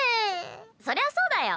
そりゃそうだよ。